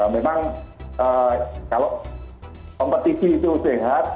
memang kalau kompetisi itu sehat